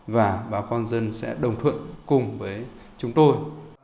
và bà con dân sẽ đồng thuận cùng với chúng tôi